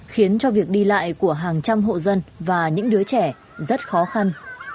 khiến cho việc đi lại của hàng trăm hộ dân và những đứa trẻ rất khó khăn